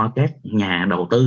các nhà đầu tư